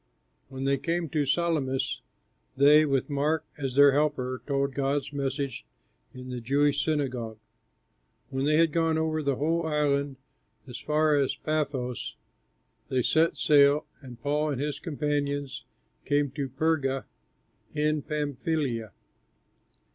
When they came to Salamis, they, with Mark as their helper, told God's message in the Jewish synagogue. When they had gone over the whole island as far as Paphos, they set sail, and Paul and his companions came to Perga in Pamphylia.